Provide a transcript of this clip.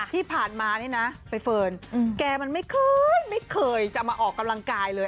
ที่ผ่านมานี่นะใบเฟิร์นแกมันไม่เคยไม่เคยจะมาออกกำลังกายเลย